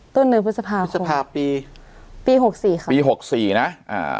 ต้นเดือนพฤษภาพพฤษภาปีปีหกสี่ค่ะปีหกสี่นะอ่า